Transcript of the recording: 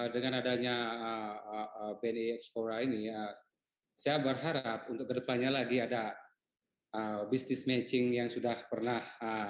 dengan adanya bni ekspora ini saya berharap untuk ke depannya lagi ada bisnis matching yang sudah pernah diberikan